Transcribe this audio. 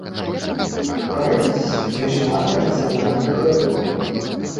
Пагадзіцеся, няшмат для нацыянальнага прадукту.